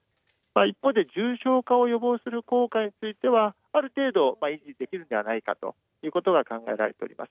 一方で重症化を予防する効果については、ある程度、維持できるんではないかということが考えられております。